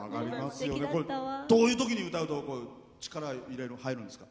どういうときに歌うと力が入るんですか？